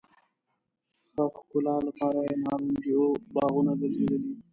ښه ښکلا لپاره یې نارنجو باغونه ګرځېدلي.